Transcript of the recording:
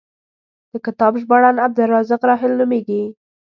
د کتاب ژباړن عبدالرزاق راحل نومېږي.